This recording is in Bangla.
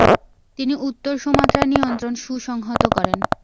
তিনি উত্তর সুমাত্রায় নিয়ন্ত্রণ সুসংহত করেন।